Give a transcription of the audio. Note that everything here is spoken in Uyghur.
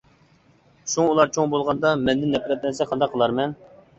شۇڭا ئۇلار چوڭ بولغاندا مەندىن نەپرەتلەنسە قانداق قىلارمەن؟ !